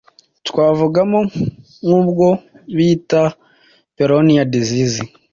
twavugamo nk'ubwo bita Peyronie's disease